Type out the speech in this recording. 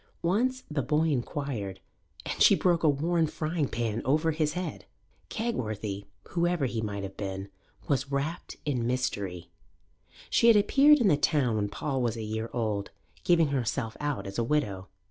Once the boy inquired, and she broke a worn frying pan over his head. Kegworthy, whoever he might have been, was wrapt in mystery. She had appeared in the town when Paul was a year old, giving herself out as a widow.